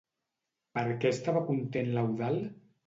Per què estava content l'Eudald?